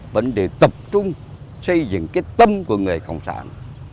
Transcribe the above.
vẫn để tập trung xây dựng cái tâm của người cộng sản